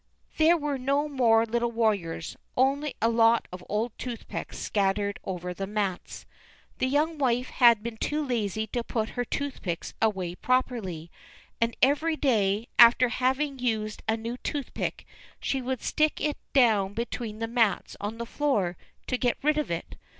_ There were no more little warriors—only a lot of old toothpicks scattered over the mats. The young wife had been too lazy to put her toothpicks away properly; and every day, after having used a new toothpick, she would stick it down between the mats on the floor, to get rid of it.